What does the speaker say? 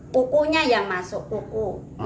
kukunya yang masuk kuku